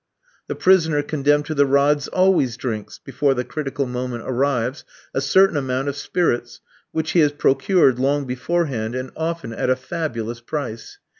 The prisoner condemned to the rods always drinks, before the critical moment arrives, a certain amount of spirits which he has procured long beforehand, and often at a fabulous price.